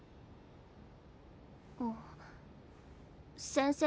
先生